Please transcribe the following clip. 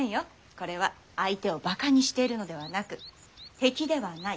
これは相手をバカにしているのではなく「敵ではない」